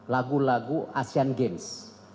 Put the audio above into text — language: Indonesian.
lagu lagu asian games